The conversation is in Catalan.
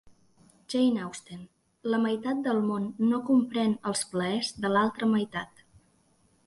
Jane Austen: la meitat del món no comprèn els plaers de l'altra meitat.